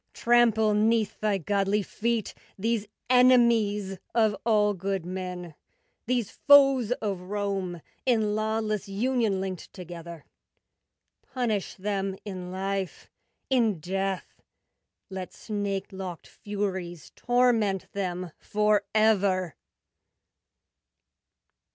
Trample 'neath thy godly feet These enemies Of all good men, These foes of Rome In lawless union linked Together; Punish them in life, in death; Let snake locked Furies torment them Forever!